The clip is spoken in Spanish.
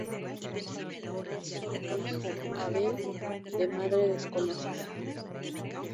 Hay además otro hijo: Abel, de madre desconocida.